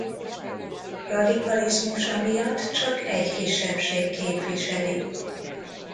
Radikalizmusa miatt csak egy kisebbség képviseli.